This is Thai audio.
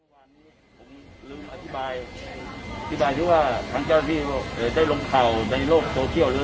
วันนี้ผมลืมอธิบายอธิบายที่ว่าทางเจ้าที่ได้ลงข่าวในโลกโซเชียลหรือ